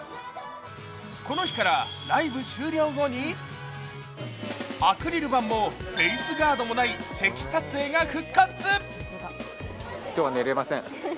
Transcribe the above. この日からライブ終了後にアクリル板も、フェイスガードもないチェキ撮影が復活。